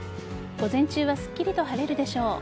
午前中はすっきりと晴れるでしょう。